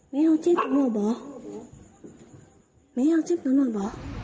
มีเงาจิบบังบ่อมีเงาจิบนานน่ะบ่อ